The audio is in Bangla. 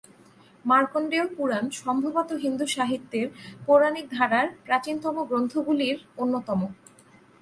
মার্কণ্ডেয় পুরাণ সম্ভবত হিন্দু সাহিত্যের পৌরাণিক ধারার প্রাচীনতম গ্রন্থগুলির অন্যতম।